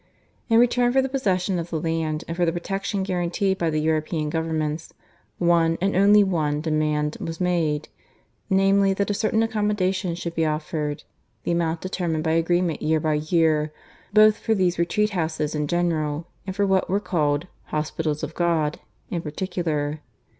In return for the possession of the land, and for the protection guaranteed by the European governments, one, and one only demand was made namely, that a certain accommodation should be offered the amount determined by agreement year by year both for these Retreat houses in general, and for what were called "Hospitals of God" in particular.